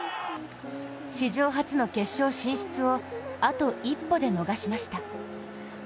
史上初の決勝進出をあと一歩で逃しました。